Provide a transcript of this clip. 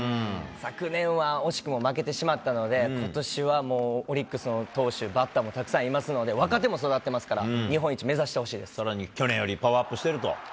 昨年は惜しくも負けてしまったので、ことしはもうオリックスの投手、バッターもたくさんいますので、若手も育っていますから、さらに、去年よりもパワーアップしていると。